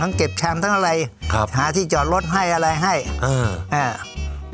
เก็บแชมป์ทั้งอะไรครับหาที่จอดรถให้อะไรให้เอออ่า